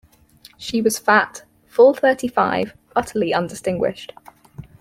She was fat, full thirty-five, utterly undistinguished.